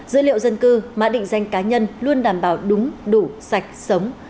dữ liệu dân cư mã định danh cá nhân luôn đảm bảo đúng đủ sạch sống